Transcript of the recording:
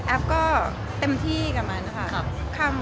ก็เต็มที่กับมันค่ะ